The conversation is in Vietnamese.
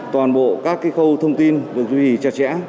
toàn bộ các khâu thông tin được duy trì chặt chẽ